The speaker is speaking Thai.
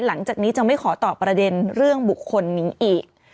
หลังจากนี้จะไม่ขอตอบประเด็นเรื่องบุคคลนี้อีก